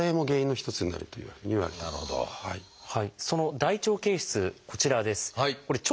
その大腸憩室こちらです。